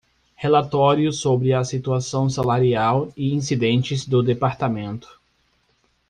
Relatório sobre a situação salarial e incidentes do Departamento.